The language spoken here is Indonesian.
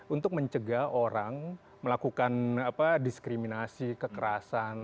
untuk mencegah orang melakukan diskriminasi kekerasan